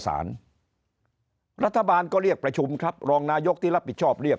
สารรัฐบาลก็เรียกประชุมครับรองนายกที่รับผิดชอบเรียก